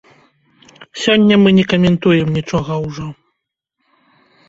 Сёння мы не каментуем нічога ўжо.